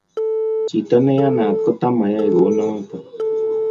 chito neiyanat kotamayae kunoto